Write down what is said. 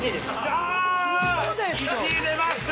１位出ました！